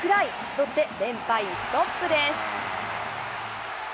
ロッテ連敗ストップです。